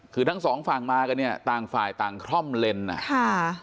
คือทั้งสองฝั่งมากันเนี่ยต่างฝ่ายต่างคล่อมเลนอ่ะค่ะ